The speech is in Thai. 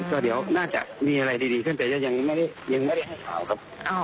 ก็เดี๋ยวน่าจะมีอะไรดีขึ้นแต่ยังไม่ได้ให้ข่าวครับ